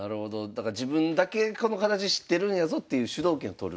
だから自分だけこの形知ってるんやぞっていう主導権を取る。